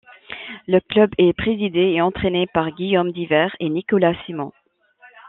Le club est présidé et entrainé par Guillaume Dhivert et Nicolas Simon.